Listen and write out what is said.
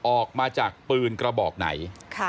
ออกมาจากปืนกระบอกไหน